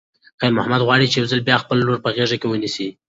خیر محمد غواړي چې یو ځل بیا خپله لور په غېږ کې ونیسي.